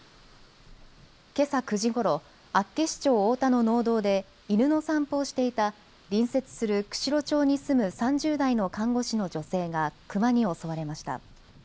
けさ９時ごろ、厚岸町太田の農道で犬の散歩をしていた隣接する釧路町に住む３０代の看護師の女性がクマに襲われました。